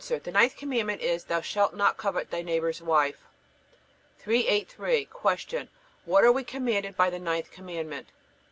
The ninth Commandment is: Thou shalt not covet thy neighbor's wife. 383. Q. What are we commanded by the ninth Commandment?